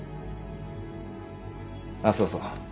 あっそうそう。